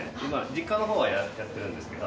実家のほうはやってるんですけど。